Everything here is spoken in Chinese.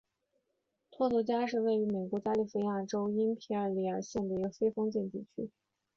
托图加是位于美国加利福尼亚州因皮里尔县的一个非建制地区。